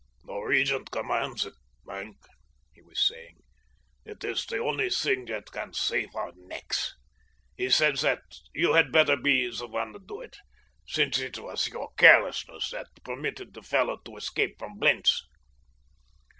"The Regent commands it, Maenck," he was saying. "It is the only thing that can save our necks. He said that you had better be the one to do it, since it was your carelessness that permitted the fellow to escape from Blentz."